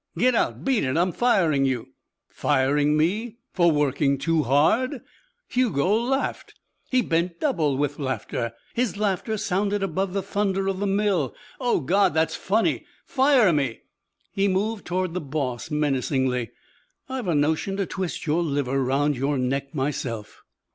"Get out. Beat it. I'm firing you." "Firing me? For working too hard?" Hugo laughed. He bent double with laughter. His laughter sounded above the thunder of the mill. "Oh, God, that's funny. Fire me!" He moved toward the boss menacingly. "I've a notion to twist your liver around your neck myself."